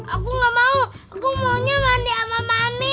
aku gak mau aku maunya mandi sama mami